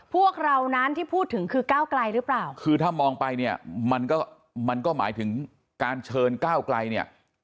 พวกเรานั้นที่พูดถึงคือก้าวไกลหรือเปล่าคือถ้ามองไปเนี่ยมันก็มันก็หมายถึงการเชิญก้าวไกลเนี่ย